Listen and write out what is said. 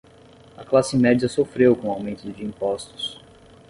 A classe média sofreu com o aumento de impostos